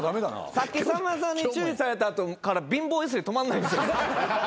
さっきさんまさんに注意された後から貧乏揺すり止まんないんですよ。